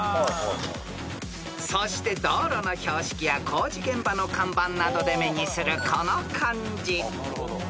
［そして道路の標識や工事現場の看板などで目にするこの漢字］